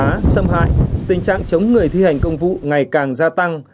tình trạng phá xâm hại tình trạng chống người thi hành công vụ ngày càng gia tăng